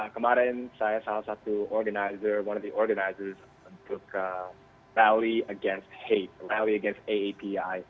kami adalah seorang organisasi yang mencari rally against hate rally against aapi